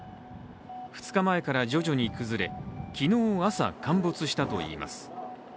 ２日前から徐々に崩れ、昨日朝、陥没したといいます。